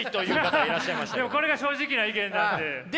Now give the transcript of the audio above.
でもこれが正直な意見なんで！